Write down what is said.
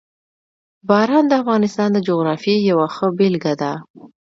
باران د افغانستان د جغرافیې یوه ښه بېلګه ده.